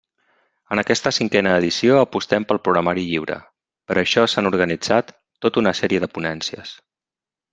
En aquesta cinquena edició apostem pel programari lliure, per això s'han organitzat tot una sèrie de ponències.